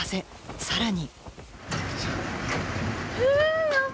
さらに。